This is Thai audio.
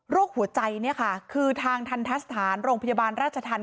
โรคหัวใจคือทางทัณฑสถานโรงพยาบาลราชทัน